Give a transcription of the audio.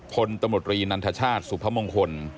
พลตำรวจรีนันทชาติสุพมงคล